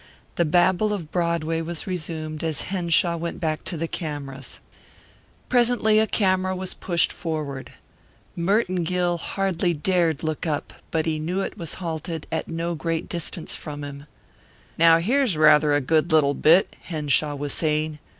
The babble of Broadway was resumed as Henshaw went back to the cameras. Presently a camera was pushed forward. Merton Gill hardly dared look up, but he knew it was halted at no great distance from him. "Now, here's rather a good little bit," Henshaw was saying.